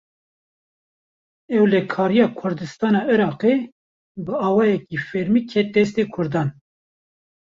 Ewlekariya Kurdistana Iraqê, bi awayekî fermî ket destê Kurdan